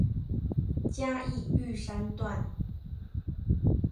嘉義玉山段